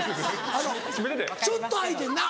ちょっと開いてんな。